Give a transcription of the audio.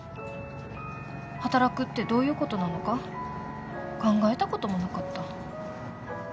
働くってどういうことなのか考えたこともなかった。